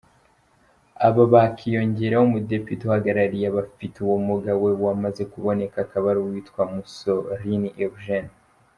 Aba bakiyongeraho umudepite uhagarariye abafite ubumuga we wamaze kuboneka, akaba ari uwitwa Musolini Eugène.